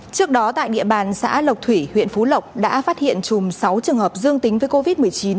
trước đó tại địa bàn xã lộc thủy huyện phú lộc đã phát hiện chùm sáu trường hợp dương tính với covid một mươi chín